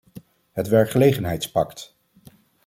Het werkgelegenheidspact...